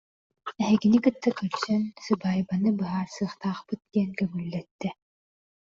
Эһигини кытта көрсөн, сыбаайбаны быһаарсыахтаахпыт диэн көҥүллэттэ